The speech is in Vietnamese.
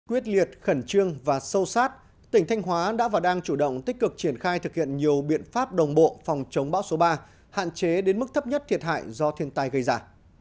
quyết liệt khẩn trương và sâu sát tỉnh thanh hóa đã và đang chủ động tích cực triển khai thực hiện nhiều biện pháp đồng bộ phòng chống bão số ba hạn chế đến mức thấp nhất thiệt hại do thiên tai gây ra